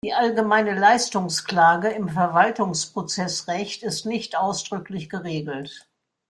Die allgemeine Leistungsklage im Verwaltungsprozessrecht ist nicht ausdrücklich geregelt.